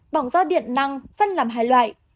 bỏng do điện năng phân làm hai loại